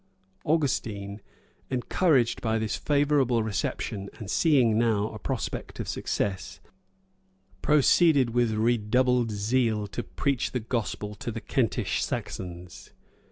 [] Augustine, encouraged by this favorable reception, and seeing now a prospect of success, proceeded with redoubled zeal to preach the gospel to the Kentish Saxons.